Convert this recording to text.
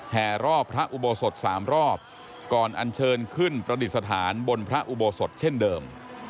รอบพระอุโบสถ๓รอบก่อนอันเชิญขึ้นประดิษฐานบนพระอุโบสถเช่นเดิม